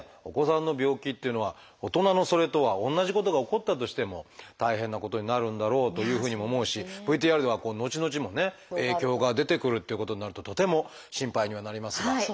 お子さんの病気っていうのは大人のそれとは同じことが起こったとしても大変なことになるんだろうというふうにも思うしＶＴＲではこうのちのちもね影響が出てくるっていうことになるととても心配にはなりますが。